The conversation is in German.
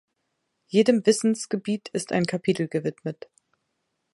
Jedem Wissensgebiet ist ein Kapitel gewidmet.